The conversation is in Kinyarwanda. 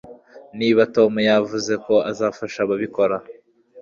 Niba Tom yavuze ko azafasha azabikora